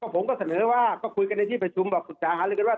ผมก็เสนอว่าก็คุยกันในที่ประชุมบอกกุศจาฮารือว่า